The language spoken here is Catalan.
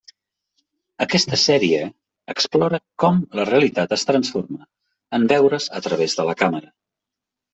Aquesta sèrie explora com la realitat es transforma en veure's a través de la càmera.